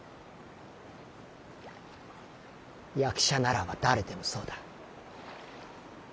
役者ならば誰でもそうだ。